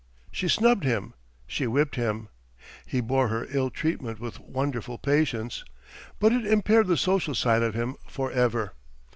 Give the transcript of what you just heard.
She snubbed him; she whipped him. He bore her ill treatment with wonderful patience; but it impaired the social side of him forever.